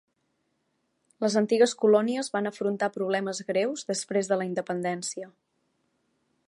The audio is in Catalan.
Les antigues colònies van afrontar problemes greus després de la independència.